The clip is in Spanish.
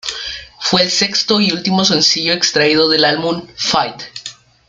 Fue el sexto y último sencillo extraído del álbum "Faith".